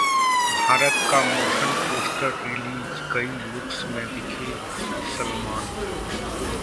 भारत का motion poster release, कई looks में दिखे सलमान